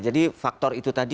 jadi faktor itu tadi